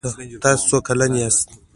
تاسو څو کلن یې؟